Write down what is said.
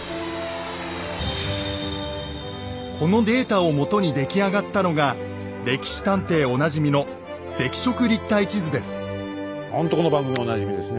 このデータをもとに出来上がったのが「歴史探偵」おなじみのほんとこの番組おなじみですね。